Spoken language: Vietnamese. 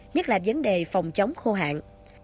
nhất là vấn đề phòng chống khô hạn